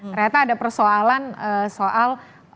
ternyata ada persoalan soal